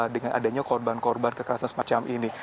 dengan adanya korban korban kekerasan semacam ini